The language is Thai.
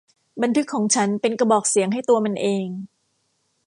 บันทึกของฉันเป็นกระบอกเสียงให้ตัวมันเอง